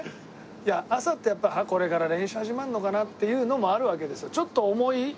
いや朝ってやっぱこれから練習始まるのかなっていうのもあるわけですよ。